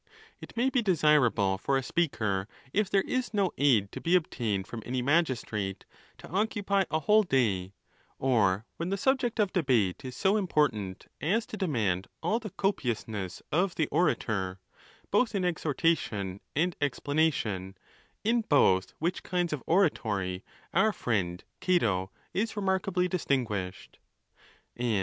It may be de sirable for a speaker, if there is no aid to be obtained from any magistrate, to occupy a whole day, or when the subject of debate is so important as to demand all the copiousness of" the orator, both in exhortation and explanation, in both which kinds of oratory our friend Cato is remarkably distinguished. _ And.